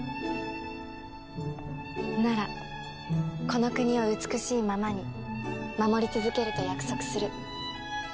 ならこの国を美しいままに守り続けると約束する。